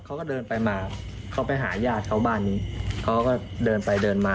เขาก็เดินไปมาเขาไปหาญาติเขาบ้านนี้เขาก็เดินไปเดินมา